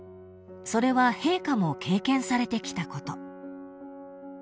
［それは陛下も経験されてきたこと］